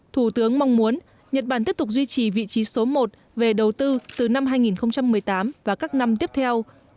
thủ tướng mong muốn nhật bản tiếp tục duy trì vị trí số một về đầu tư từ năm hai nghìn một mươi tám và các năm tiếp theo